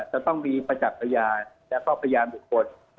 จะต้องมีประจักษ์พยานแล้วก็พยานบุคคล